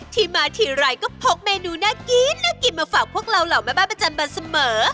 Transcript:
ที่มาทีไรก็พกเมนูน่ากินน่ากินมาฝากพวกเราเหล่าแม่บ้านประจำวันเสมอ